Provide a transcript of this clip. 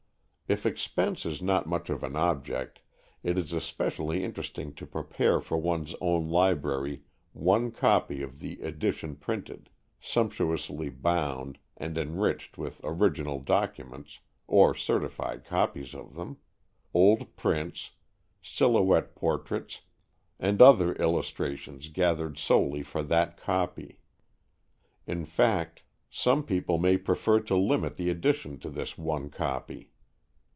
If expense is not much of an object, it is especially interesting to prepare for one's own library one copy of the edition printed, sumptuously bound and enriched with original documents, or certified copies of them, old prints, silhouette portraits and other illustrations gathered solely for that copy. In fact, some people may prefer to limit the edition to this one copy.